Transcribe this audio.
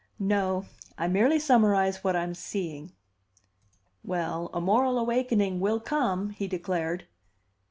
"No. I merely summarize what I'm seeing." "Well, a moral awakening will come," he declared.